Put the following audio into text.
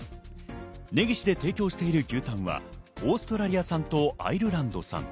ねぎしで提供している牛タンはオーストラリア産とアイルランド産。